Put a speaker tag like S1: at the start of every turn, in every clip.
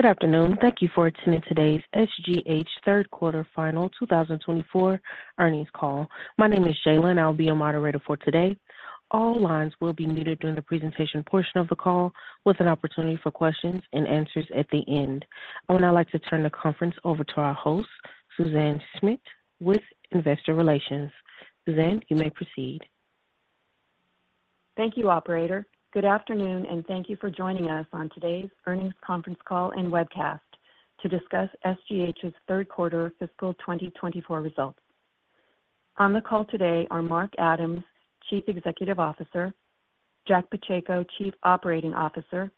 S1: Good afternoon. Thank you for attending today's SGH third quarter fiscal 2024 earnings call. My name is Jayla, and I'll be your moderator for today. All lines will be muted during the presentation portion of the call, with an opportunity for questions and answers at the end. I would now like to turn the conference over to our host, Suzanne Schmidt, with Investor Relations. Suzanne, you may proceed.
S2: Thank you, operator. Good afternoon, and thank you for joining us on today's earnings conference call and webcast to discuss SGH's third quarter fiscal 2024 results. On the call today are Mark Adams, Chief Executive Officer, Jack Pacheco, Chief Operating Officer,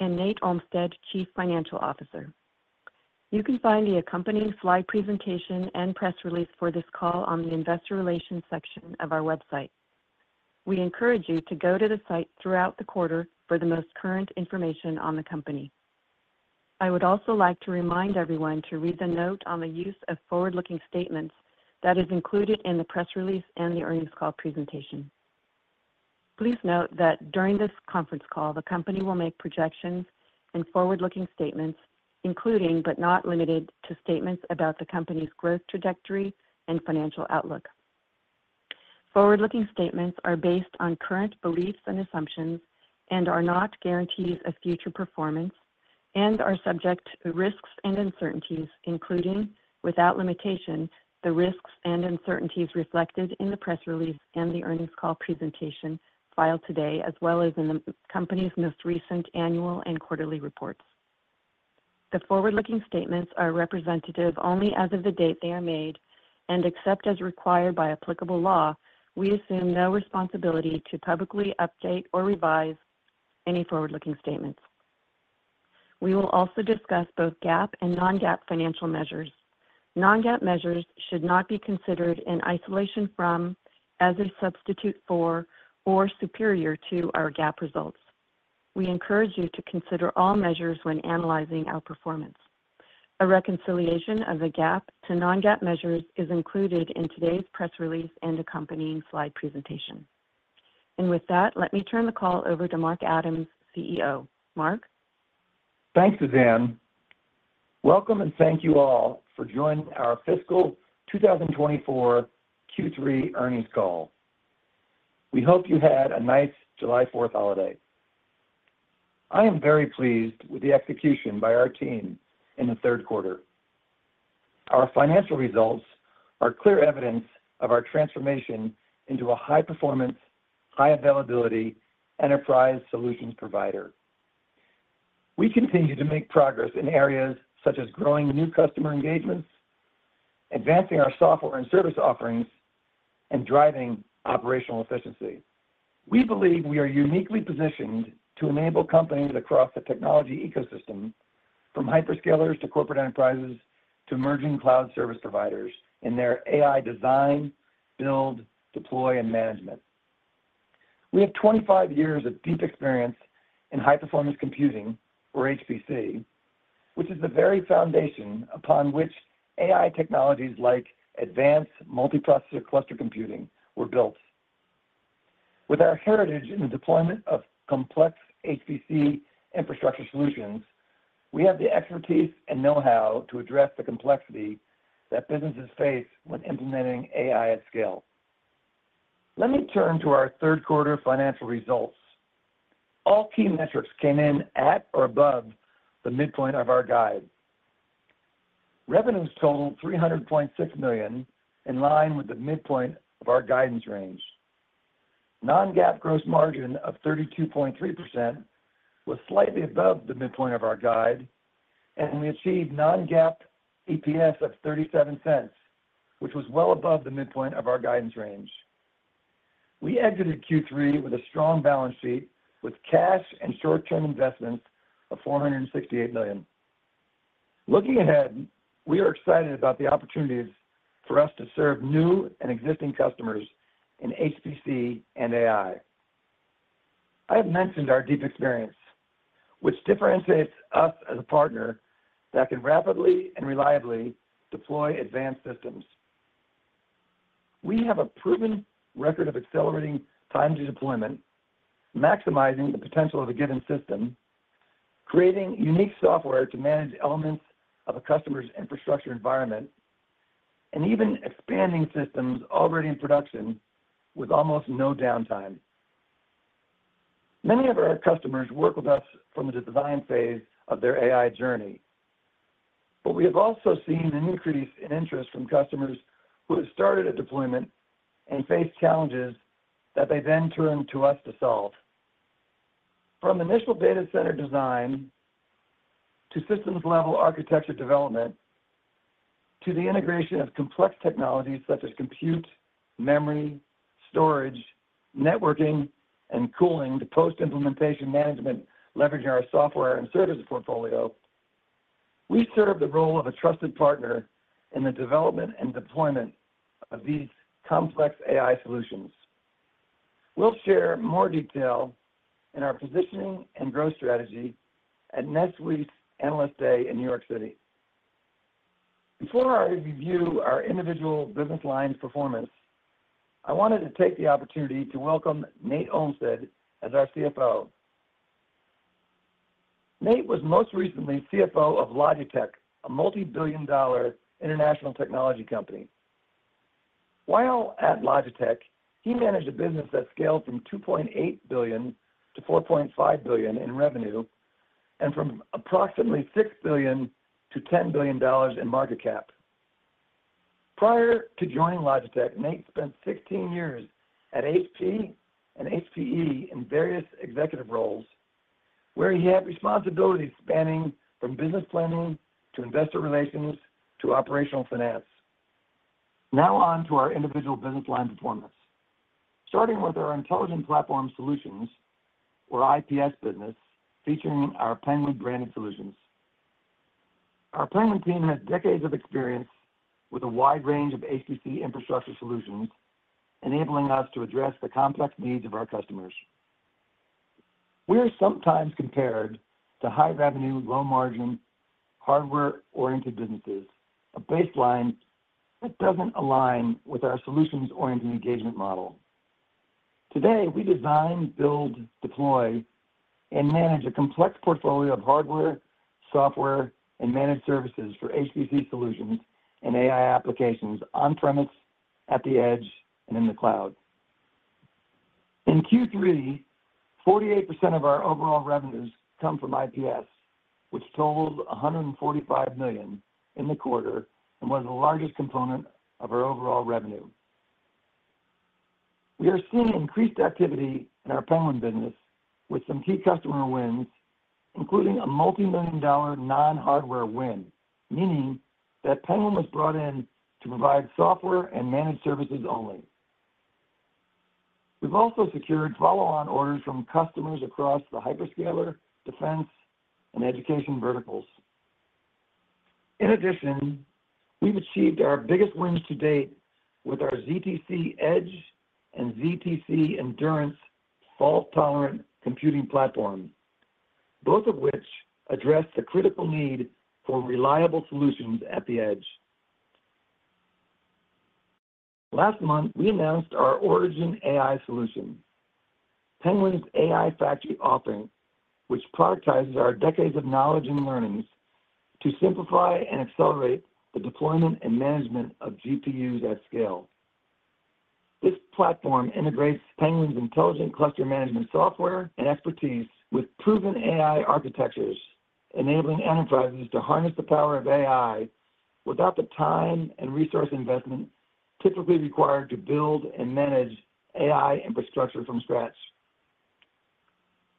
S2: and Nate Olmstead, Chief Financial Officer. You can find the accompanying slide presentation and press release for this call on the investor relations section of our website. We encourage you to go to the site throughout the quarter for the most current information on the company. I would also like to remind everyone to read the note on the use of forward-looking statements that is included in the press release and the earnings call presentation. Please note that during this conference call, the company will make projections and forward-looking statements, including, but not limited to, statements about the company's growth trajectory and financial outlook. Forward-looking statements are based on current beliefs and assumptions and are not guarantees of future performance and are subject to risks and uncertainties, including, without limitation, the risks and uncertainties reflected in the press release and the earnings call presentation filed today, as well as in the company's most recent annual and quarterly reports. The forward-looking statements are representative only as of the date they are made, and except as required by applicable law, we assume no responsibility to publicly update or revise any forward-looking statements. We will also discuss both GAAP and non-GAAP financial measures. Non-GAAP measures should not be considered in isolation from, as a substitute for, or superior to our GAAP results. We encourage you to consider all measures when analyzing our performance. A reconciliation of the GAAP to non-GAAP measures is included in today's press release and accompanying slide presentation. With that, let me turn the call over to Mark Adams, CEO. Mark?
S3: Thanks, Suzanne. Welcome, and thank you all for joining our fiscal 2024 Q3 earnings call. We hope you had a nice July Fourth holiday. I am very pleased with the execution by our team in the third quarter. Our financial results are clear evidence of our transformation into a high-performance, high-availability enterprise solutions provider. We continue to make progress in areas such as growing new customer engagements, advancing our software and service offerings, and driving operational efficiency. We believe we are uniquely positioned to enable companies across the technology ecosystem, from hyperscalers to corporate enterprises to emerging cloud service providers, in their AI design, build, deploy, and management. We have 25 years of deep experience in high-performance computing, or HPC, which is the very foundation upon which AI technologies like advanced multiprocessor cluster computing were built. With our heritage in the deployment of complex HPC infrastructure solutions, we have the expertise and know-how to address the complexity that businesses face when implementing AI at scale. Let me turn to our third-quarter financial results. All key metrics came in at or above the midpoint of our guide. Revenues totaled $300.6 million, in line with the midpoint of our guidance range. Non-GAAP gross margin of 32.3% was slightly above the midpoint of our guide, and we achieved non-GAAP EPS of $0.37, which was well above the midpoint of our guidance range. We exited Q3 with a strong balance sheet, with cash and short-term investments of $468 million. Looking ahead, we are excited about the opportunities for us to serve new and existing customers in HPC and AI. I have mentioned our deep experience, which differentiates us as a partner that can rapidly and reliably deploy advanced systems. We have a proven record of accelerating time to deployment, maximizing the potential of a given system, creating unique software to manage elements of a customer's infrastructure environment, and even expanding systems already in production with almost no downtime. Many of our customers work with us from the design phase of their AI journey, but we have also seen an increase in interest from customers who have started a deployment and faced challenges that they then turn to us to solve. From initial data center design to systems-level architecture development, to the integration of complex technologies such as compute, memory, storage, networking, and cooling, to post-implementation management, leveraging our software and services portfolio, we serve the role of a trusted partner in the development and deployment of these complex AI solutions. We'll share more details in our positioning and growth strategy at next week's Analyst Day in New York City. Before I review our individual business lines performance, I wanted to take the opportunity to welcome Nate Olmstead as our CFO. Nate was most recently CFO of Logitech, a multi-billion dollar international technology company. While at Logitech, he managed a business that scaled from $2.8 billion-$4.5 billion in revenue, and from approximately $6 billion-$10 billion in market cap. Prior to joining Logitech, Nate spent 16 years at HP and HPE in various executive roles, where he had responsibilities spanning from business planning to investor relations to operational finance. Now on to our individual business line performance. Starting with our intelligent platform solutions, or IPS business, featuring our Penguin-branded solutions. Our Penguin team has decades of experience with a wide range of HPC infrastructure solutions, enabling us to address the complex needs of our customers. We are sometimes compared to high-revenue, low-margin, hardware-oriented businesses, a baseline that doesn't align with our solutions-oriented engagement model. Today, we design, build, deploy, and manage a complex portfolio of hardware, software, and managed services for HPC solutions and AI applications on-premise, at the edge, and in the cloud. In Q3, 48% of our overall revenues come from IPS, which totals $145 million in the quarter and was the largest component of our overall revenue. We are seeing increased activity in our Penguin business, with some key customer wins, including a multi-million dollar non-hardware win, meaning that Penguin was brought in to provide software and managed services only. We've also secured follow-on orders from customers across the hyperscaler, defense, and education verticals. In addition, we've achieved our biggest wins to date with our ztC Edge and ztC Endurance fault-tolerant computing platform, both of which address the critical need for reliable solutions at the edge. Last month, we announced our OriginAI solution, Penguin's AI factory offering, which prioritizes our decades of knowledge and learnings to simplify and accelerate the deployment and management of GPUs at scale. This platform integrates Penguin's intelligent cluster management software and expertise with proven AI architectures, enabling enterprises to harness the power of AI without the time and resource investment typically required to build and manage AI infrastructure from scratch.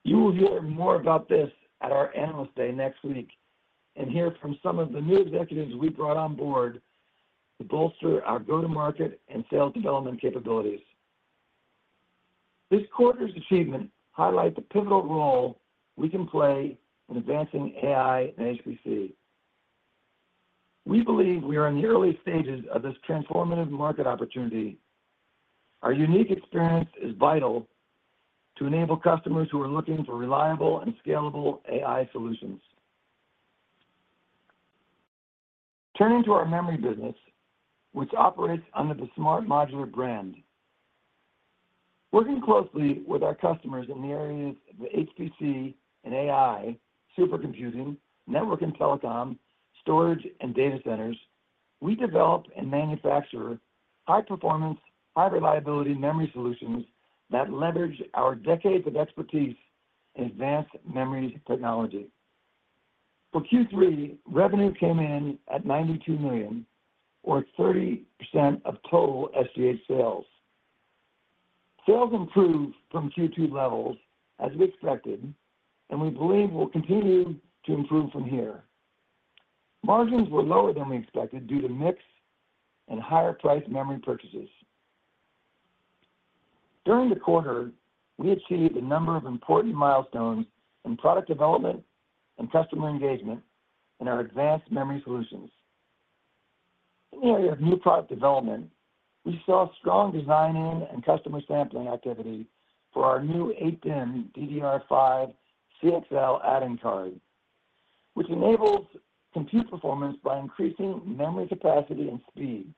S3: You will hear more about this at our Analyst Day next week, and hear from some of the new executives we brought on board to bolster our go-to-market and sales development capabilities. This quarter's achievement highlights the pivotal role we can play in advancing AI and HPC. We believe we are in the early stages of this transformative market opportunity. Our unique experience is vital to enable customers who are looking for reliable and scalable AI solutions. Turning to our Memory business, which operates under the SMART Modular brand. Working closely with our customers in the areas of HPC and AI, supercomputing, network and telecom, storage, and data centers, we develop and manufacture high-performance, high-reliability memory solutions that leverage our decades of expertise in advanced memory technology. For Q3, revenue came in at $92 million, or 30% of total SGH sales. Sales improved from Q2 levels, as we expected, and we believe will continue to improve from here. Margins were lower than we expected due to mix and higher price memory purchases. During the quarter, we achieved a number of important milestones in product development and customer engagement in our advanced memory solutions. In the area of new product development, we saw strong design-in and customer sampling activity for our new 8-DIMM DDR5 CXL add-in card, which enables compute performance by increasing memory capacity and speed.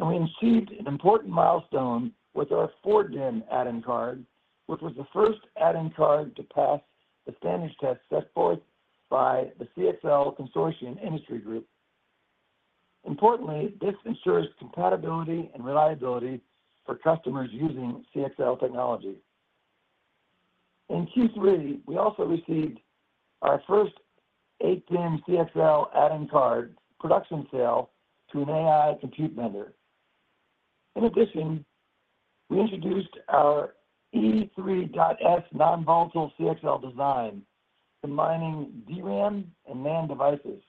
S3: We achieved an important milestone with our 4-DIMM add-in card, which was the first add-in card to pass the standards test set forth by the CXL Consortium Industry Group. Importantly, this ensures compatibility and reliability for customers using CXL technology. In Q3, we also received our first 8-DIMM CXL add-in card production sale to an AI compute vendor. In addition, we introduced our E3.S non-volatile CXL design, combining DRAM and NAND devices.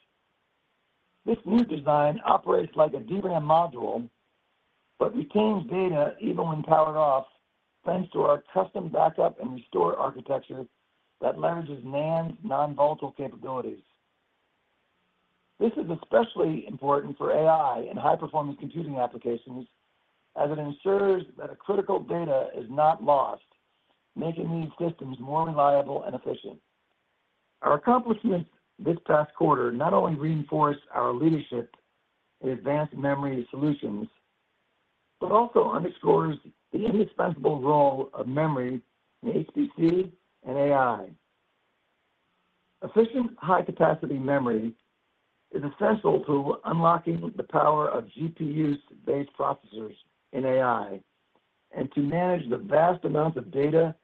S3: This new design operates like a DRAM module, but retains data even when powered off, thanks to our custom backup and restore architecture that leverages NAND non-volatile capabilities. This is especially important for AI and high-performance computing applications, as it ensures that a critical data is not lost, making these systems more reliable and efficient. Our accomplishments this past quarter not only reinforce our leadership in advanced memory solutions, but also underscore the indispensable role of memory in HPC and AI. Efficient, high-capacity memory is essential to unlocking the power of GPU-based processors in AI, and to manage the vast amount of data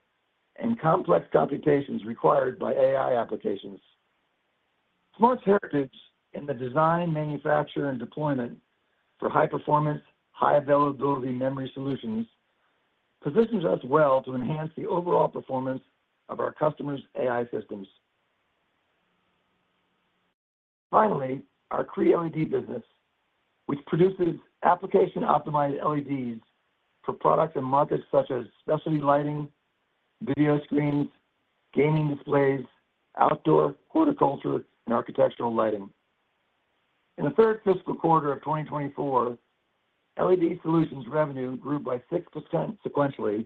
S3: and complex computations required by AI applications. SMART's heritage in the design, manufacture, and deployment for high-performance, high-availability memory solutions, positions us well to enhance the overall performance of our customers' AI systems. Finally, our Cree LED business, which produces application-optimized LEDs for products and markets such as specialty lighting, video screens, gaming displays, outdoor, horticulture, and architectural lighting. In the third fiscal quarter of 2024, LED solutions revenue grew by 6% sequentially,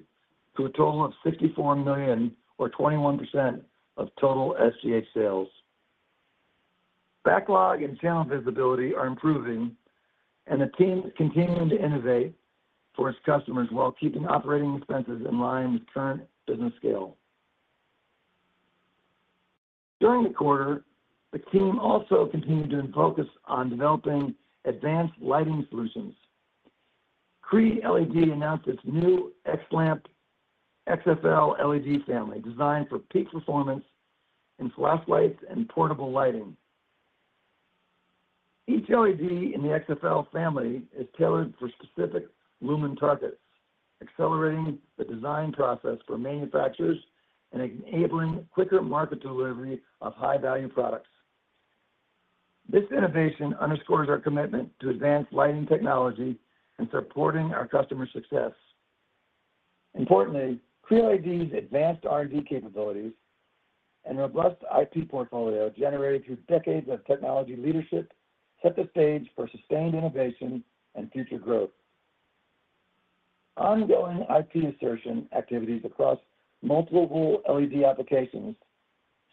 S3: to a total of $64 million, or 21% of total SGH sales. Backlog and channel visibility are improving, and the team is continuing to innovate for its customers while keeping operating expenses in line with current business scale. During the quarter, the team also continued to focus on developing advanced lighting solutions. Cree LED announced its new XLamp XFL LED family, designed for peak performance in flashlights and portable lighting. Each LED in the XFL family is tailored for specific lumen targets, accelerating the design process for manufacturers and enabling quicker market delivery of high-value products. This innovation underscores our commitment to advanced lighting technology and supporting our customers' success. Importantly, Cree LED's advanced R&D capabilities and robust IP portfolio, generated through decades of technology leadership, set the stage for sustained innovation and future growth. Ongoing IP assertion activities across multiple LED applications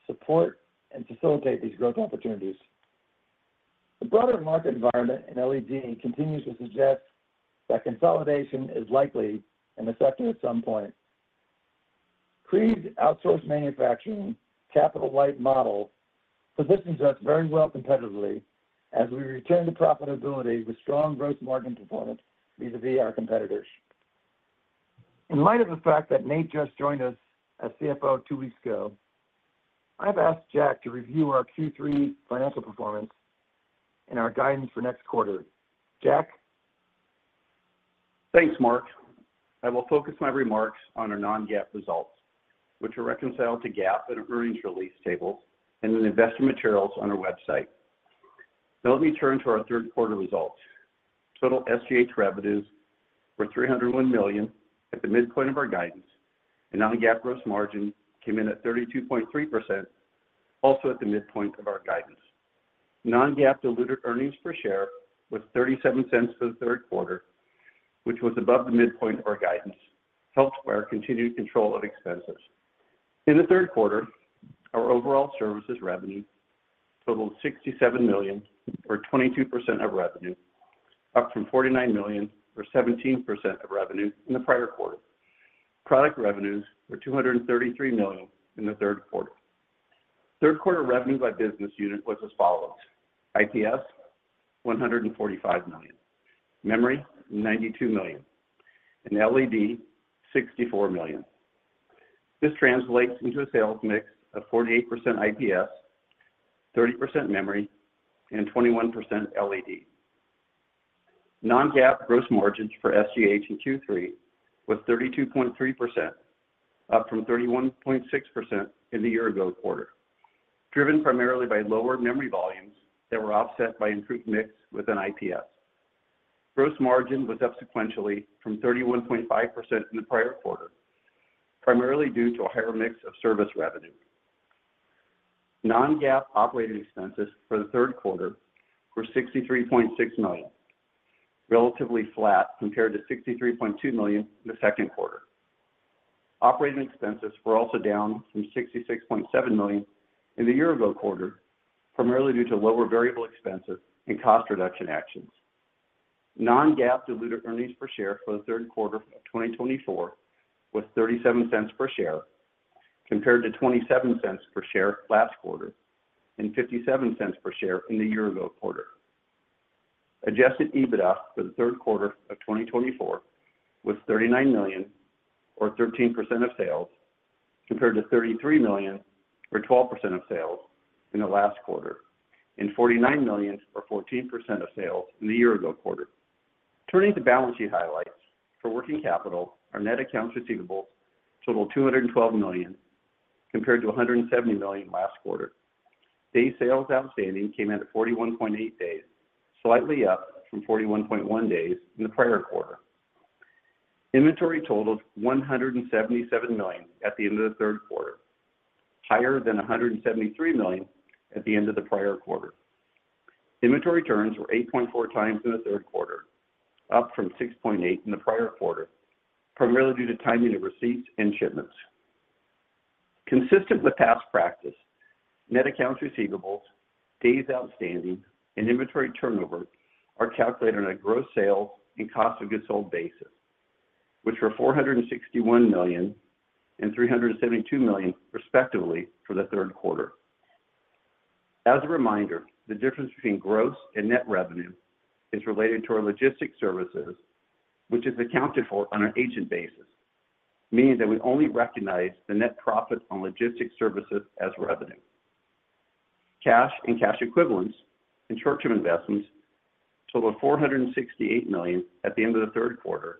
S3: support and facilitate these growth opportunities. The broader market environment in LED continues to suggest that consolidation is likely in the sector at some point. Cree's outsourced manufacturing capital-light model positions us very well competitively as we return to profitability with strong growth margin performance vis-a-vis our competitors. In light of the fact that Nate just joined us as CFO two weeks ago, I've asked Jack to review our Q3 financial performance and our guidance for next quarter. Jack?
S4: Thanks, Mark. I will focus my remarks on our non-GAAP results, which are reconciled to GAAP in earnings release table and in investment materials on our website. Now, let me turn to our third quarter results. Total SGH revenues were $301 million at the midpoint of our guidance, and non-GAAP gross margin came in at 32.3%, also at the midpoint of our guidance. Non-GAAP diluted earnings per share was $0.37 for the third quarter, which was above the midpoint of our guidance, helped by our continued control of expenses. In the third quarter, our overall services revenue totaled $67 million, or 22% of revenue, up from $49 million or 17% of revenue from the prior quarter. Product revenues were $233 million in the third quarter. Third quarter revenue by business unit was as follows: IPS, $145 million; Memory, $92 million; and LED, $64 million. This translates into a sales mix of 48% IPS, 30% Memory, and 21% LED. Non-GAAP gross margins for SGH in Q3 was 32.3%, up from 31.6% in the year-ago quarter, driven primarily by lower memory volumes that were offset by improved mix within IPS. Gross margin was up sequentially from 31.5% in the prior quarter, primarily due to a higher mix of service revenue. Non-GAAP operating expenses for the third quarter were $63.6 million, relatively flat compared to $63.2 million in the second quarter. Operating expenses were also down from $66.7 million in the year-ago quarter, primarily due to lower variable expenses and cost reduction actions. Non-GAAP diluted earnings per share for the third quarter of 2024 was $0.37 per share, compared to $0.27 per share last quarter, and $0.57 per share in the year-ago quarter. Adjusted EBITDA for the third quarter of 2024 was $39 million, or 13% of sales, compared to $33 million or 12% of sales in the last quarter, and $49 million or 14% of sales in the year-ago quarter. Turning to balance sheet highlights for working capital, our net accounts receivable totaled $212 million, compared to $170 million last quarter. Days Sales Outstanding came in at 41.8 days, slightly up from 41.1 days in the prior quarter. Inventory totaled $177 million at the end of the third quarter, higher than $173 million at the end of the prior quarter. Inventory turns were 8.4x in the third quarter, up from 6.8x in the prior quarter, primarily due to timing of receipts and shipments. Consistent with past practice, net accounts receivables, days outstanding, and inventory turnover are calculated on a gross sales and cost of goods sold basis, which were $461 million and $372 million, respectively, for the third quarter. As a reminder, the difference between gross and net revenue is related to our logistics services, which is accounted for on an agent basis, meaning that we only recognize the net profit on logistics services as revenue. Cash and cash equivalents and short-term investments totaled $468 million at the end of the third quarter,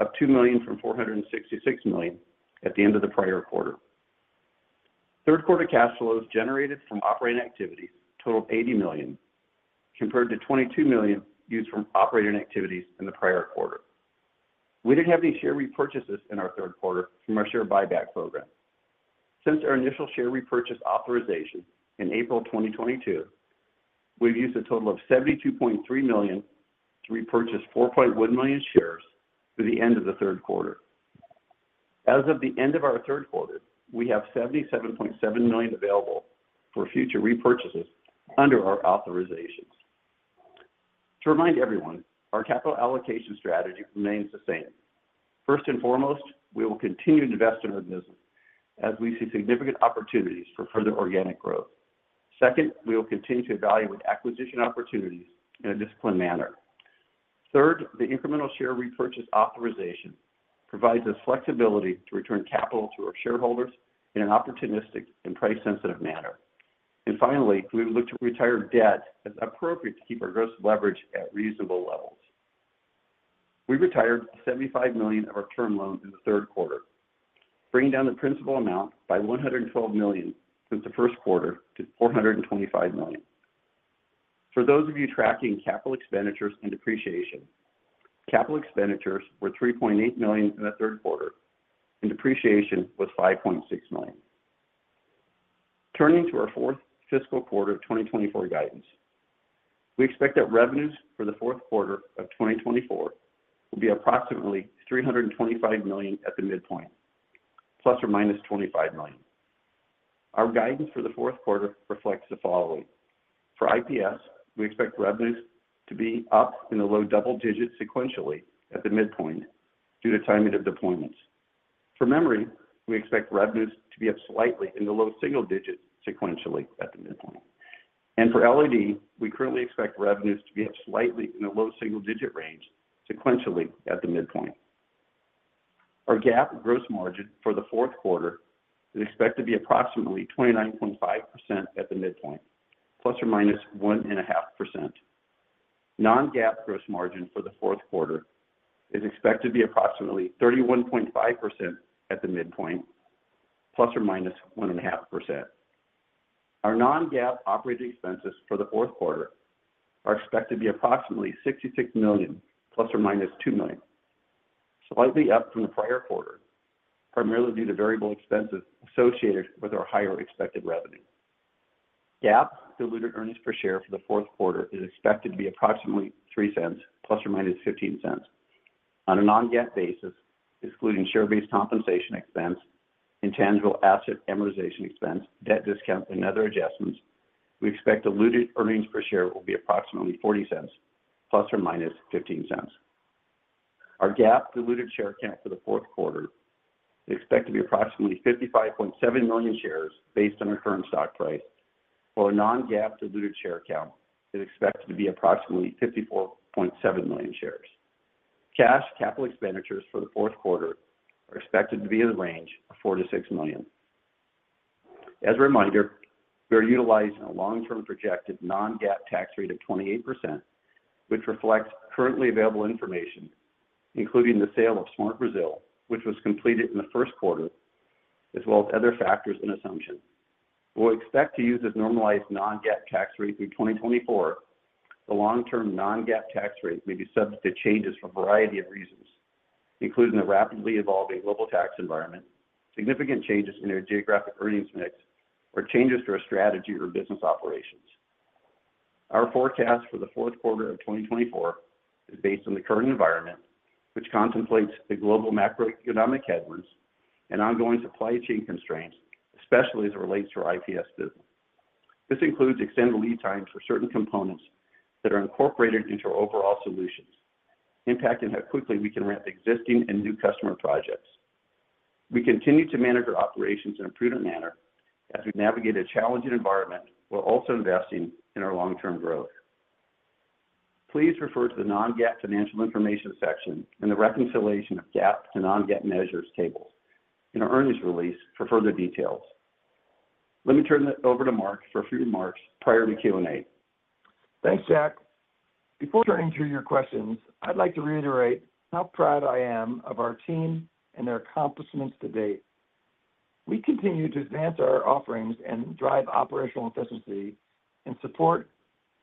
S4: up $2 million from $466 million at the end of the prior quarter. Third quarter cash flows generated from operating activities totaled $80 million, compared to $22 million used from operating activities in the prior quarter. We didn't have any share repurchases in our third quarter from our share buyback program. Since our initial share repurchase authorization in April 2022, we've used a total of $72.3 million to repurchase 4.1 million shares through the end of the third quarter. As of the end of our third quarter, we have $77.7 million available for future repurchases under our authorizations. To remind everyone, our capital allocation strategy remains the same. First and foremost, we will continue to invest in our business as we see significant opportunities for further organic growth. Second, we will continue to evaluate acquisition opportunities in a disciplined manner. Third, the incremental share repurchase authorization provides us flexibility to return capital to our shareholders in an opportunistic and price-sensitive manner. And finally, we will look to retire debt as appropriate to keep our gross leverage at reasonable levels. We retired $75 million of our term loan in the third quarter, bringing down the principal amount by $112 million since the first quarter to $425 million. For those of you tracking capital expenditures and depreciation, capital expenditures were $3.8 million in the third quarter, and depreciation was $5.6 million. Turning to our fourth fiscal quarter of 2024 guidance, we expect that revenues for the fourth quarter of 2024 will be approximately $325 million at the midpoint, ±$25 million. Our guidance for the fourth quarter reflects the following: For IPS, we expect revenues to be up in the low double digits sequentially at the midpoint due to timing of deployments. For memory, we expect revenues to be up slightly in the low single digits sequentially at the midpoint. And for LED, we currently expect revenues to be up slightly in the low single-digit range sequentially at the midpoint. Our GAAP gross margin for the fourth quarter is expected to be approximately 29.5% at the midpoint, ±1.5%. Non-GAAP gross margin for the fourth quarter is expected to be approximately 31.5% at the midpoint, ±1.5%. Our non-GAAP operating expenses for the fourth quarter are expected to be approximately $66 million, ±$2 million, slightly up from the prior quarter, primarily due to variable expenses associated with our higher expected revenue. GAAP diluted earnings per share for the fourth quarter is expected to be approximately $0.03, ±$0.15. On a non-GAAP basis, excluding share-based compensation expense, intangible asset amortization expense, debt discount, and other adjustments, we expect diluted earnings per share will be approximately $0.40, ±$0.15. Our GAAP diluted share count for the fourth quarter is expected to be approximately 55.7 million shares based on our current stock price, while our non-GAAP diluted share count is expected to be approximately 54.7 million shares. Cash capital expenditures for the fourth quarter are expected to be in the range of $4 million-$6 million. As a reminder, we are utilizing a long-term projected non-GAAP tax rate of 28%, which reflects currently available information, including the sale of SMART Brazil, which was completed in the first quarter, as well as other factors and assumptions. We'll expect to use this normalized non-GAAP tax rate through 2024. The long-term non-GAAP tax rate may be subject to changes for a variety of reasons, including the rapidly evolving global tax environment, significant changes in our geographic earnings mix, or changes to our strategy or business operations. Our forecast for the fourth quarter of 2024 is based on the current environment, which contemplates the global macroeconomic headwinds and ongoing supply chain constraints, especially as it relates to our IPS business. This includes extended lead times for certain components that are incorporated into our overall solutions, impacting how quickly we can ramp existing and new customer projects. We continue to manage our operations in a prudent manner as we navigate a challenging environment, while also investing in our long-term growth. Please refer to the Non-GAAP Financial Information section and the Reconciliation of GAAP to Non-GAAP Measures table in our earnings release for further details. Let me turn it over to Mark for a few remarks prior to Q&A.
S3: Thanks, Jack. Before turning to your questions, I'd like to reiterate how proud I am of our team and their accomplishments to date. We continue to advance our offerings and drive operational efficiency in support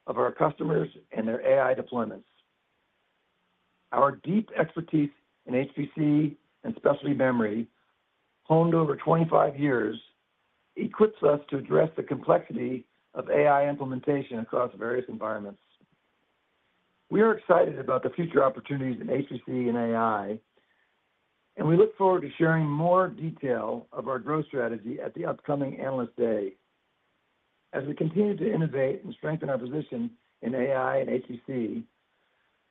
S3: of our customers and their AI deployments. Our deep expertise in HPC and specialty memory, honed over 25 years, equips us to address the complexity of AI implementation across various environments. We are excited about the future opportunities in HPC and AI, and we look forward to sharing more details of our growth strategy at the upcoming Analyst Day. As we continue to innovate and strengthen our position in AI and HPC,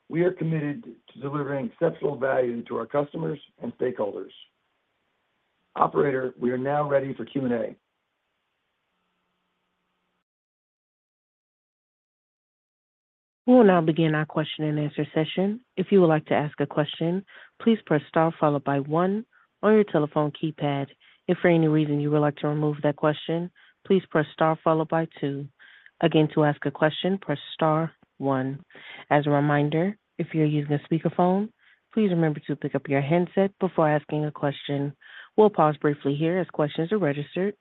S3: we are committed to delivering exceptional value to our customers and stakeholders. Operator, we are now ready for Q&A.
S1: We will now begin our question and answer session. If you would like to ask a question, please press star followed by one on your telephone keypad. If for any reason you would like to remove that question, please press star followed by two. Again, to ask a question, press star one. As a reminder, if you're using a speakerphone, please remember to pick up your handset before asking a question. We'll pause briefly here as questions are registered.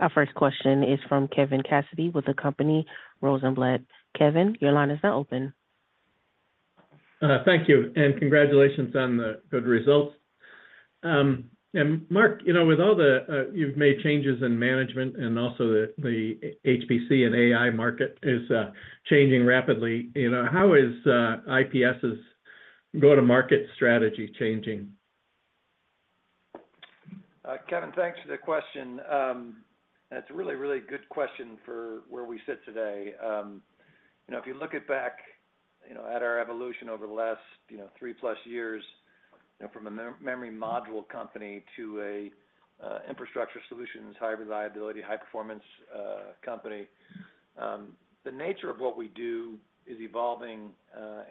S1: Our first question is from Kevin Cassidy with the company Rosenblatt. Kevin, your line is now open.
S5: Thank you, and congratulations on the good results. And Mark, you know, with all the, you've made changes in management, and also the HPC and AI market is changing rapidly, you know, how is IPS's go-to-market strategy changing?
S3: Kevin, thanks for the question. That's a really, really good question for where we sit today. You know, if you look at back, you know, at our evolution over the last, you know, 3+ years, you know, from a memory module company to a, infrastructure solutions, high reliability, high-performance, company, the nature of what we do is evolving,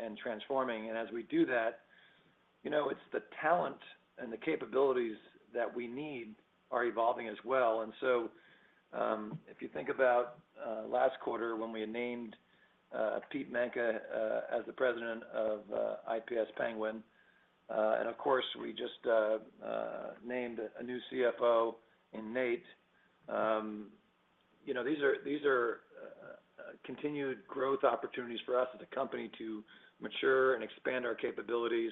S3: and transforming. And as we do that, you know, it's the talent and the capabilities that we need are evolving as well. If you think about last quarter, when we had named Pete Manca as the president of IPS Penguin, and of course, we just named a new CFO in Nate, you know, these are, these are continued growth opportunities for us as a company to mature and expand our capabilities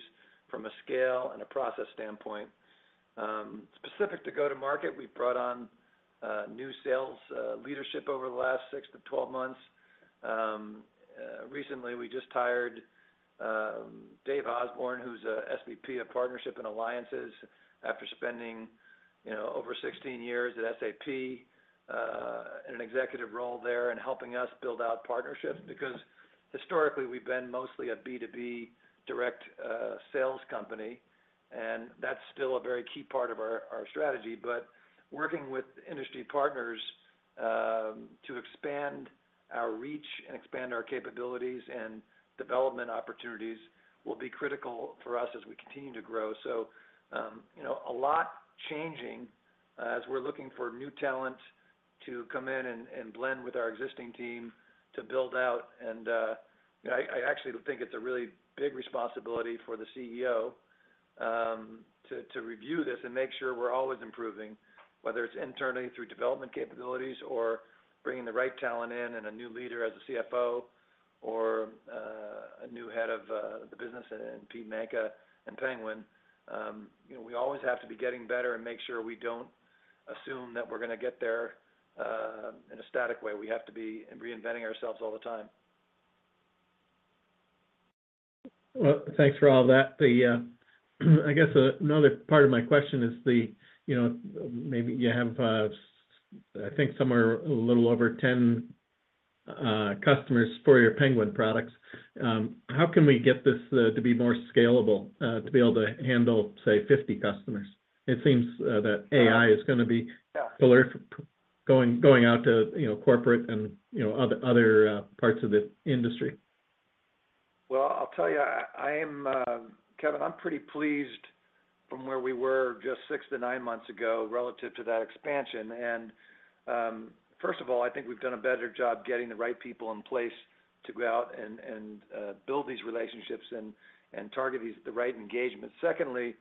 S3: from a scale and a process standpoint. Specific to go-to-market, we've brought on new sales leadership over the last 6-12 months. Recently, we just hired Dave Osborne, who's a SVP of Partnerships and Alliances, after spending, you know, over 16 years at SAP in an executive role there and helping us build out partnerships. Because historically, we've been mostly a B2B direct sales company, and that's still a very key part of our, our strategy. But working with industry partners, to expand our reach and expand our capabilities and development opportunities will be critical for us as we continue to grow. So, you know, a lot changing, as we're looking for new talent to come in and blend with our existing team to build out. And, you know, I actually think it's a really big responsibility for the CEO, to review this and make sure we're always improving, whether it's internally through development capabilities or bringing the right talent in, and a new leader as a CFO or, a new head of the business in Pete Manca and Penguin. You know, we always have to be getting better and make sure we don't assume that we're gonna get there, in a static way. We have to be reinventing ourselves all the time.
S5: Well, thanks for all that. I guess another part of my question is the, you know, maybe you have, I think somewhere a little over 10 customers for your Penguin products. How can we get this to be more scalable to be able to handle, say, 50 customers? It seems that AI is gonna be-
S3: Yeah...
S5: going out to, you know, corporate and, you know, other parts of the industry.
S3: Well, I'll tell you, I am, Kevin, I'm pretty pleased from where we were just 6-9 months ago relative to that expansion. And, first of all, I think we've done a better job getting the right people in place to go out and build these relationships and target these, the right engagement. Secondly,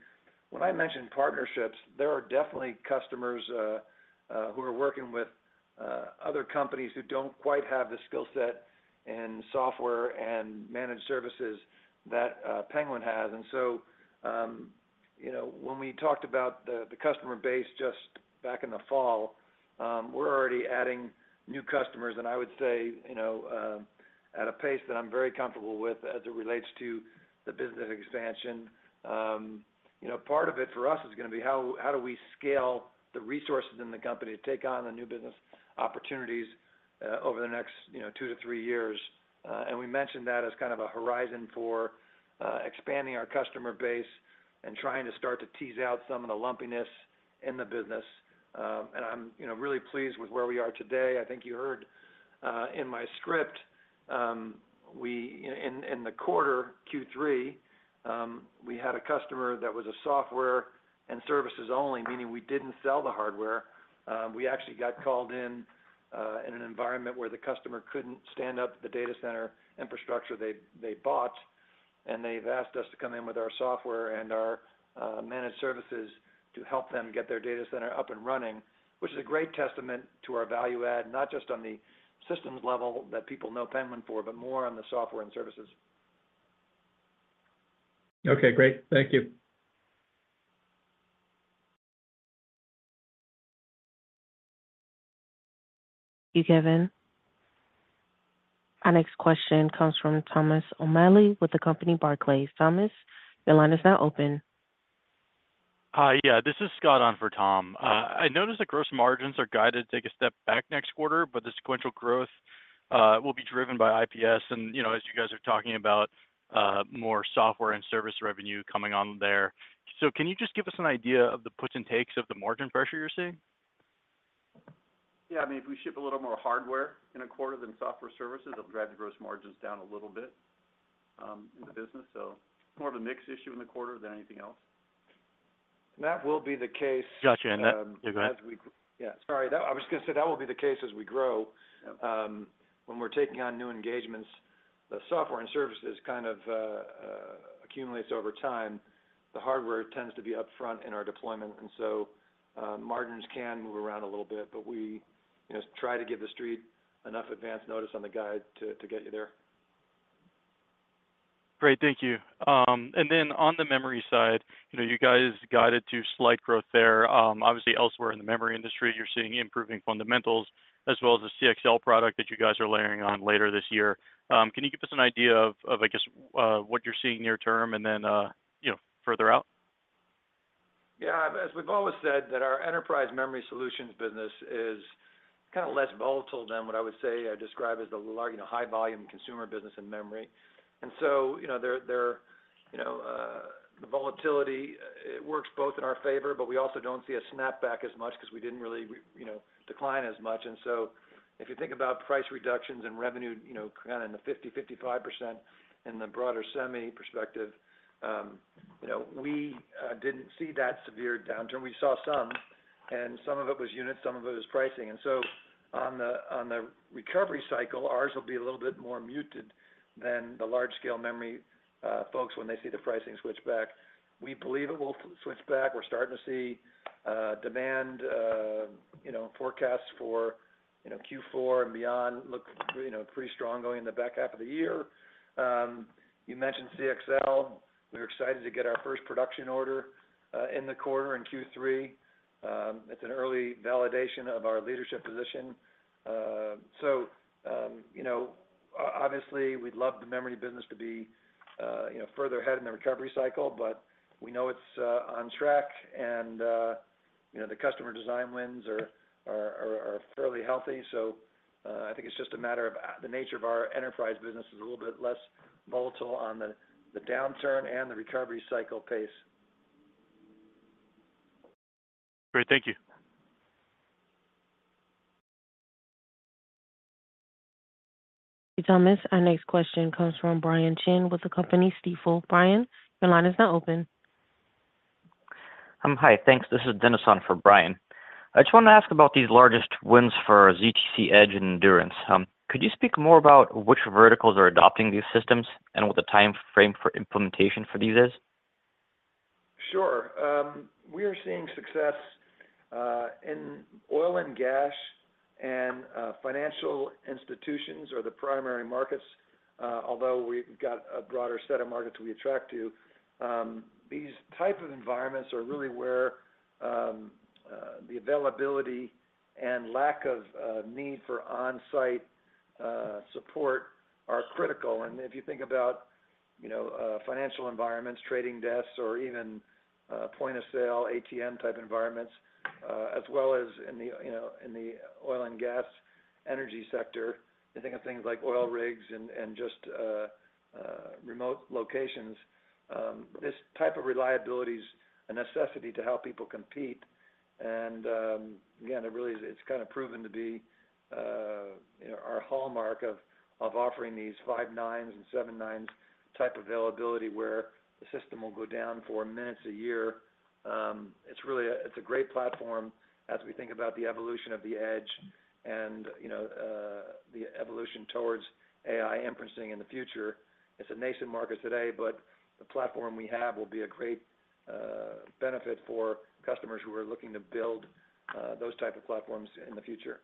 S3: when I mention partnerships, there are definitely customers who are working with other companies who don't quite have the skill set and software and managed services that Penguin has. And so, you know, when we talked about the customer base just back in the fall, we're already adding new customers, and I would say, you know, at a pace that I'm very comfortable with as it relates to the business expansion. You know, part of it for us is gonna be how, how do we scale the resources in the company to take on the new business opportunities over the next 2-3 years? And we mentioned that as kind of a horizon for expanding our customer base and trying to start to tease out some of the lumpiness in the business. And I'm you know really pleased with where we are today. I think you heard in my script in the quarter Q3 we had a customer that was a software and services only, meaning we didn't sell the hardware. We actually got called in in an environment where the customer couldn't stand up the data center infrastructure they bought. They've asked us to come in with our software and our managed services to help them get their data center up and running, which is a great testament to our value add, not just on the systems level that people know Penguin for, but more on the software and services.
S5: Okay, great. Thank you.
S1: Thank you, Kevin. Our next question comes from Thomas O’Malley with the company Barclays. Thomas, your line is now open.
S6: Hi, yeah this is Scott on for Tom. I noticed the gross margins are guided to take a step back next quarter, but the sequential growth will be driven by IPS. And, you know, as you guys are talking about, more software and service revenue coming on there. So, can you just give us an idea of the puts and takes of the margin pressure you're seeing?
S3: Yeah, I mean, if we ship a little more hardware in a quarter than software services, it'll drive the gross margins down a little bit in the business. So more of a mix issue in the quarter than anything else. And that will be the case-
S6: Gotcha, and that... Yeah, go ahead.
S3: Yeah, sorry. That—I was just gonna say, that will be the case as we grow. Yep. When we're taking on new engagements, the software and services kind of accumulates over time. The hardware tends to be upfront in our deployment, and so, margins can move around a little bit. But we, you know, try to give the street enough advance notice on the guide to get you there.
S6: Great, thank you. And then on the memory side, you know, you guys guided to slight growth there. Obviously, elsewhere in the memory industry, you're seeing improving fundamentals as well as the CXL product that you guys are layering on later this year. Can you give us an idea of, I guess, what you're seeing near term and then, you know, further out?
S3: Yeah, as we've always said, that our enterprise memory solutions business is kind of less volatile than what I would say I describe as the large, you know, high-volume consumer business in memory. And so, you know, there, there, you know, the volatility, it works both in our favor, but we also don't see a snapback as much because we didn't really, you know, decline as much. And so if you think about price reductions and revenue, you know, kind of in the 50%-55% in the broader semi perspective, we didn't see that severe downturn. We saw some, and some of it was units, some of it was pricing. And so on the, on the recovery cycle, ours will be a little bit more muted than the large scale memory folks, when they see the pricing switch back. We believe it will switch back. We're starting to see, demand, you know, forecasts for, you know, Q4 and beyond, look, you know, pretty strong going in the back half of the year. You mentioned CXL. We're excited to get our first production order, in the quarter in Q3. It's an early validation of our leadership position. So, you know, obviously, we'd love the memory business to be, you know, further ahead in the recovery cycle, but we know it's, on track and, you know, the customer design wins are fairly healthy. So, I think it's just a matter of the nature of our enterprise business is a little bit less volatile on the, the downturn and the recovery cycle pace.
S6: Great. Thank you.
S1: Thomas, our next question comes from Brian Chin with the company Stifel. Brian, your line is now open.
S7: Hi, thanks. This is Dennis on for Brian. I just wanted to ask about these largest wins for ztC Edge and Endurance. Could you speak more about which verticals are adopting these systems and what the time frame for implementation for these is?
S3: Sure. We are seeing success in oil and gas, and financial institutions are the primary markets, although we've got a broader set of markets we attract to. These types of environments are really where the availability and lack of need for on-site support are critical. And if you think about, you know, financial environments, trading desks, or even point-of-sale, ATM-type environments, as well as in the, you know, in the oil and gas energy sector, you think of things like oil rigs and just remote locations, this type of reliability is a necessity to help people compete. Again, it really is—it's kind of proven to be, you know, our hallmark of offering these five nines and seven nines type availability, where the system will go down for minutes a year. It's really a—it's a great platform as we think about the evolution of the edge and, you know, the evolution towards AI inferencing in the future. It's a nascent market today, but the platform we have will be a great benefit for customers who are looking to build those type of platforms in the future.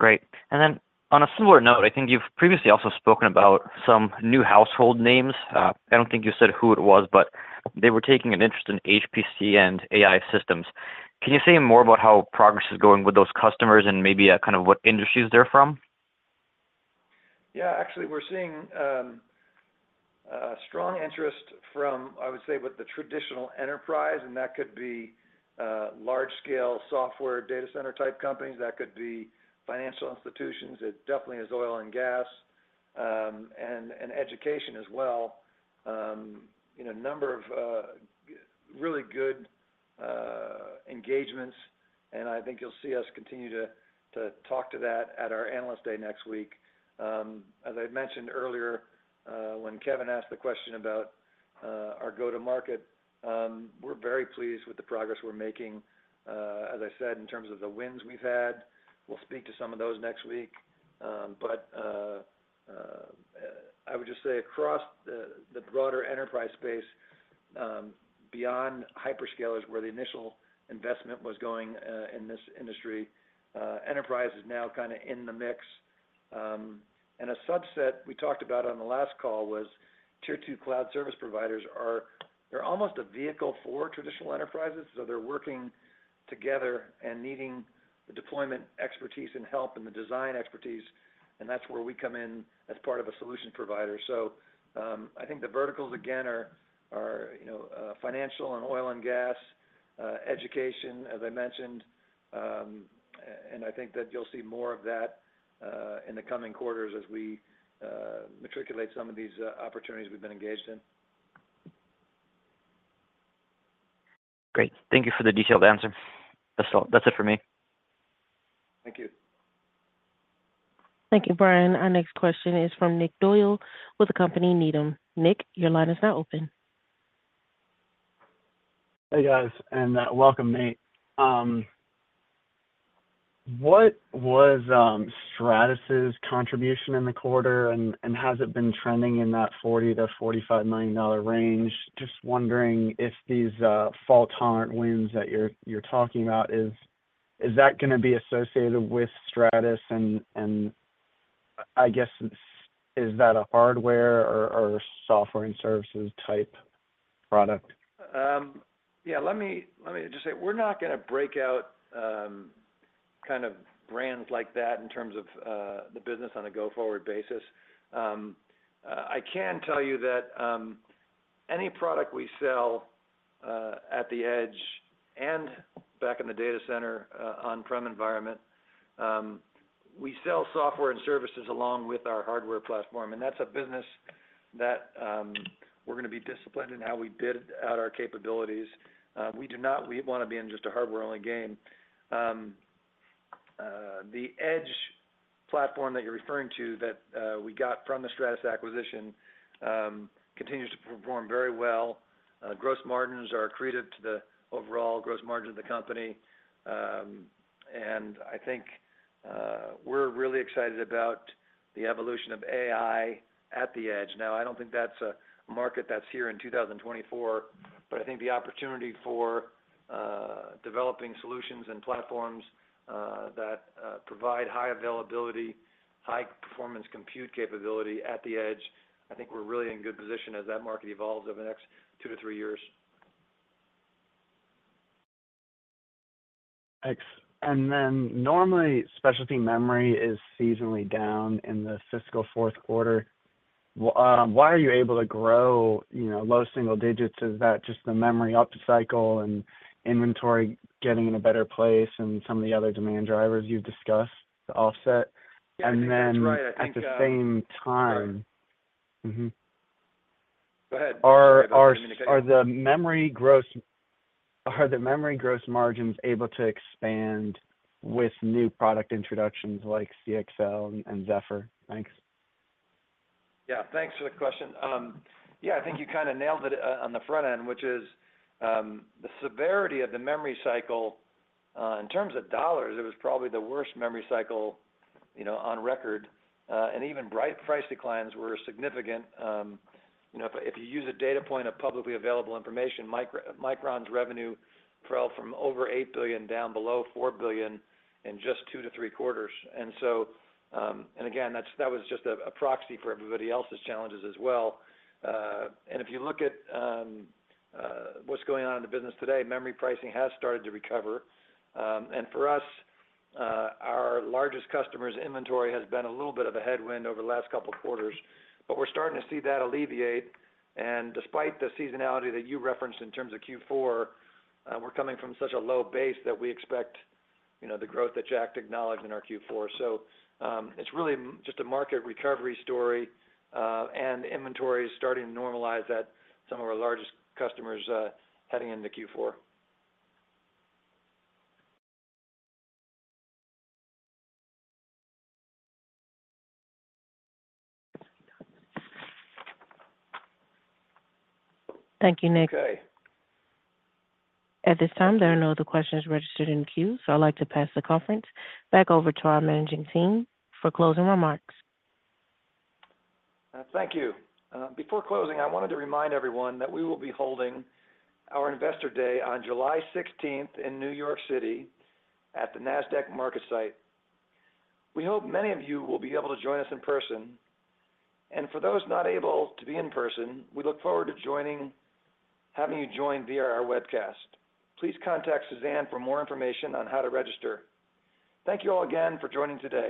S7: Great. And then on a similar note, I think you've previously also spoken about some new household names. I don't think you said who it was, but they were taking an interest in HPC and AI systems. Can you say more about how progress is going with those customers and maybe, kind of what industries they're from?
S3: Yeah, actually, we're seeing strong interest from, I would say, with the traditional enterprise, and that could be large scale software, data center-type companies, that could be financial institutions, it definitely is oil and gas, and education as well. In a number of really good engagements, and I think you'll see us continue to talk to that at our Analyst Day next week. As I mentioned earlier, when Kevin asked the question about our go-to-market, we're very pleased with the progress we're making, as I said, in terms of the wins we've had. We'll speak to some of those next week. But I would just say across the broader enterprise space, beyond hyperscale, is where the initial investment was going in this industry. Enterprise is now kind of in the mix. And a subset we talked about on the last call was tier-2 cloud service providers. They're almost a vehicle for traditional enterprises, so they're working together and needing the deployment expertise and help and the design expertise, and that's where we come in as part of a solution provider. So, I think the verticals, again, are, you know, financial and oil and gas, education, as I mentioned, and I think that you'll see more of that in the coming quarters as we materialize some of these opportunities we've been engaged in.
S7: Great. Thank you for the detailed answer. That's all. That's it for me.
S3: Thank you.
S1: Thank you, Brian. Our next question is from Nick Doyle with the company Needham. Nick, your line is now open.
S8: Hey, guys, and welcome, Nate. What was Stratus' contribution in the quarter, and has it been trending in that $40 million-$45 million range? Just wondering if these fault-tolerant wins that you're talking about, is that gonna be associated with Stratus? And I guess, is that a hardware or software and services type product?
S3: Let me just say, we're not gonna break out kind of brands like that in terms of the business on a go-forward basis. I can tell you that any product we sell at the edge and back in the data center on-prem environment we sell software and services along with our hardware platform, and that's a business that we're gonna be disciplined in how we bid out our capabilities. We do not wanna be in just a hardware-only game. The Edge platform that you're referring to, that we got from the Stratus acquisition, continues to perform very well. Gross margins are accretive to the overall gross margin of the company. And I think we're really excited about the evolution of AI at the Edge. Now, I don't think that's a market that's here in 2024, but I think the opportunity for developing solutions and platforms that provide high availability, high-performance compute capability at the Edge, I think we're really in good position as that market evolves over the next 2-3 years.
S8: Thanks. Then, normally, specialty memory is seasonally down in the fiscal fourth quarter. Why are you able to grow, you know, low single digits? Is that just the memory up cycle and inventory getting in a better place, and some of the other demand drivers you've discussed to offset?
S3: Yeah, I think that's right. I think,
S8: And then at the same time- Sorry. Mm-hmm. Go ahead. Are the memory gross margins able to expand with new product introductions like CXL and Zefr? Thanks. Yeah, thanks for the question. Yeah, I think you kinda nailed it on the front end, which is the severity of the memory cycle in terms of dollars. It was probably the worst memory cycle, you know, on record. And even DRAM price declines were significant. You know, if you use a data point of publicly available information, Micron's revenue fell from over $8 billion down below $4 billion in just 2-3 quarters. And so... And again, that's, that was just a proxy for everybody else's challenges as well. And if you look at what's going on in the business today, memory pricing has started to recover. And for us, our largest customer's inventory has been a little bit of a headwind over the last couple of quarters, but we're starting to see that alleviate. And despite the seasonality that you referenced in terms of Q4, we're coming from such a low base that we expect, you know, the growth that Jack acknowledged in our Q4. So, it's really just a market recovery story, and inventory is starting to normalize at some of our largest customers, heading into Q4.
S1: Thank you, Nick.
S3: Okay.
S1: At this time, there are no other questions registered in the queue, so I'd like to pass the conference back over to our managing team for closing remarks.
S3: Thank you. Before closing, I wanted to remind everyone that we will be holding our Investor Day on July sixteenth in New York City at the Nasdaq MarketSite. We hope many of you will be able to join us in person, and for those not able to be in person, we look forward to joining, having you join via our webcast. Please contact Suzanne for more information on how to register. Thank you all again for joining today.